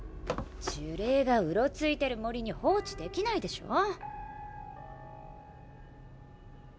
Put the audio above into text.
呪霊がうろついてる森に放置できないでしょ。